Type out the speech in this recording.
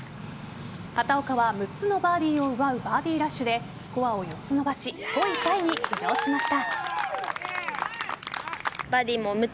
畑岡は６つのバーディーを奪うバーディーラッシュでスコアを４つ伸ばし５位タイに浮上しました。